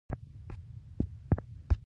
هغې د روښانه اواز په اړه خوږه موسکا هم وکړه.